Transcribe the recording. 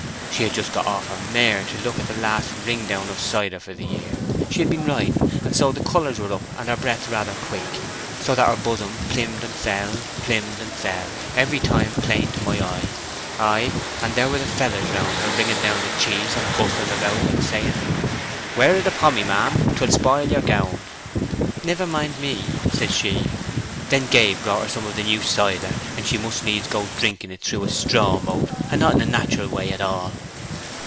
She had just got off her mare to look at the last wring down of cider for the year; she had been riding, and so her colours were up and her breath rather quick, so that her bosom plimmed and fell—plimmed and fell—every time plain to my eye. Ay, and there were the fellers round her wringing down the cheese and bustling about and saying, 'Ware o' the pommy, ma'am: 'twill spoil yer gown.' 'Never mind me,' says she. Then Gabe brought her some of the new cider, and she must needs go drinking it through a strawmote, and not in a nateral way at all.